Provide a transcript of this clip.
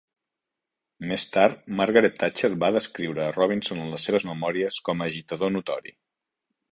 Més tard, Margaret Thatcher va descriure a Robinson en les seves memòries com a "agitador notori".